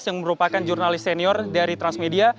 yang merupakan jurnalis senior dari transmedia